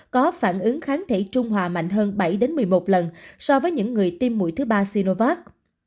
có phản ứng kháng thể trung hòa mạnh hơn bảy một mươi một lần so với những người tiêm mũi thứ ba siriovat